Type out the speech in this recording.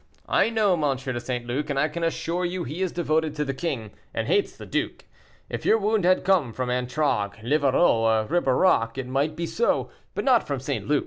I know M. de St. Luc, and I can assure you he is devoted to the king, and hates the duke. If your wound had come from Antragues, Livarot, or Ribeirac, it might be so; but not from St. Luc."